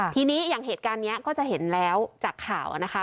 ทีนี้อย่างเหตุการณ์นี้ก็จะเห็นแล้วจากข่าวนะคะ